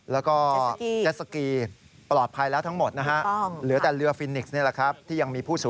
แล้วก็เจสสกีปลอดภัยแล้วทั้งหมดนะครับอยู่ต้ม